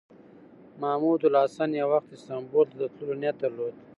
محمود الحسن یو وخت استانبول ته د تللو نیت درلود.